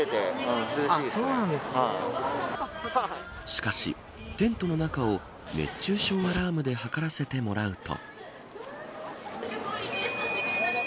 しかし、テントの中を熱中症アラームで測らせてもらうと。